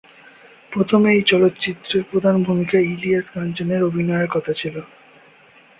প্রথমে এই চলচ্চিত্রের প্রধান ভূমিকায় ইলিয়াস কাঞ্চন এর অভিনয়ের কথা ছিল।